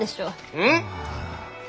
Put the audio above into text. うん？